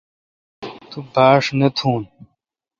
تو باݭ نہ تھ۔